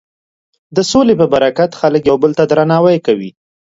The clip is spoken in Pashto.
د سولې په برکت خلک یو بل ته درناوی کوي.